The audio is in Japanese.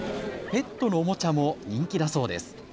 ペットのおもちゃも人気だそうです。